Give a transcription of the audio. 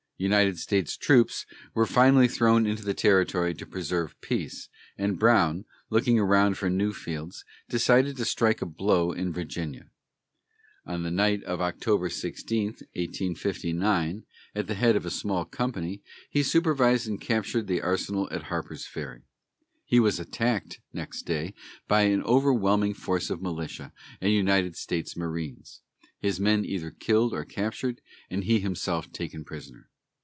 United States troops were finally thrown into the territory to preserve peace, and Brown, looking around for new fields, decided to strike a blow in Virginia. On the night of October 16, 1859, at the head of a small company, he surprised and captured the arsenal at Harper's Ferry. He was attacked next day by an overwhelming force of militia and United States marines, his men either killed or captured, and he himself taken prisoner.